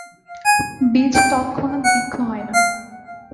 বীজ তৎক্ষণাৎ বৃক্ষ হয় না।